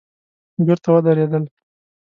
بېرته ودرېدل.